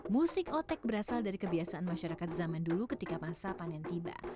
musik otek berasal dari kebiasaan masyarakat zaman dulu ketika masa panen tiba